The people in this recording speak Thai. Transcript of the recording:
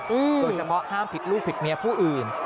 โดยเฉพาะห้ามผิดลูกผิดเมียผู้อื่น